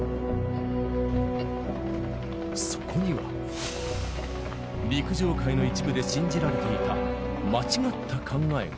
そこには、陸上界の一部で信じられていた間違った考えが。